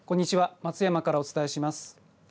松山からお伝えします。